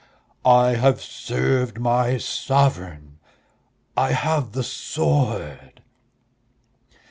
"I have served my sovereign.... I have the sword...."